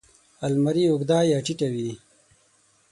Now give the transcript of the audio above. الماري اوږده یا ټیټه وي